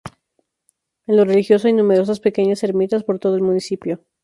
En lo religioso hay numerosas pequeñas ermitas por todo el municipio.